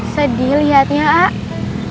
sedih liatnya ak